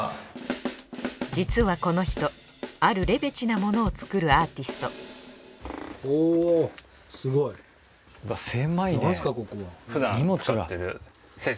実はこの人あるレベチなものを作るアーティストおすごい。ふだん使ってる。